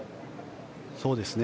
そうですね。